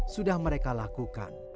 sudah mereka lakukan